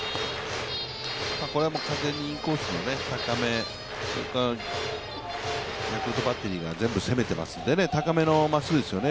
これは完全にインコースの高め、ヤクルトバッテリーが全部攻めてますんで高めのまっすぐですよね、